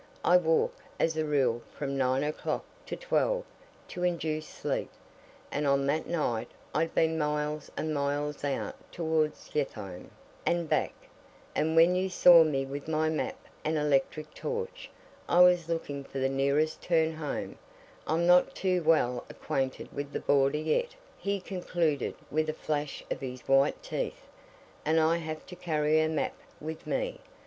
I walk, as a rule, from nine o'clock to twelve to induce sleep. And on that night I'd been miles and miles out towards Yetholm, and back; and when you saw me with my map and electric torch, I was looking for the nearest turn home I'm not too well acquainted with the Border yet," he concluded, with a flash of his white teeth, "and I have to carry a map with me.